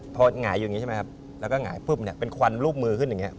พอหงายอยู่อย่างนี้ใช่ไหมครับแล้วก็หงายปุ๊บเนี่ยเป็นควันรูปมือขึ้นอย่างนี้